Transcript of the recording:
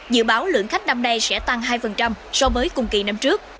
dự báo lượng khách năm nay sẽ tăng hai so với cùng kỳ năm trước